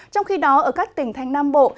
trong khi đó ở các tỉnh thanh nam bộ